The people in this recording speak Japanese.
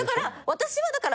私はだから。